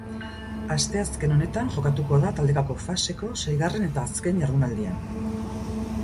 Asteazken honetan jokatuko da taldekako faseko seigarren eta azken jardunaldia.